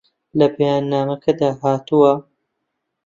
لە بەیاننامەکەدا هاتووە